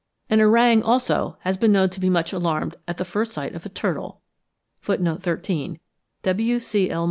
An orang, also, has been known to be much alarmed at the first sight of a turtle. (13. W.C.L.